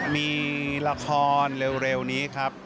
มีละครเร็วนี้ครับ